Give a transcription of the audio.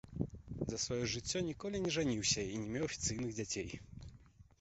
За сваё жыццё ніколі не жаніўся і не меў афіцыйных дзяцей.